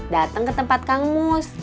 datang ke tempat kang mus